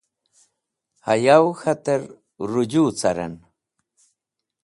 Hayow k̃hater ruju caren.